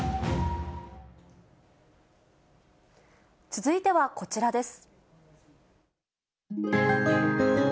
続いてはこちらです。